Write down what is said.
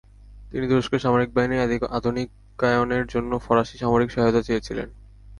তিনি তুরস্কের সামরিক বাহিনীর আধুনিকায়নের জন্য ফরাসি সামরিক সহায়তা চেয়েছিলেন।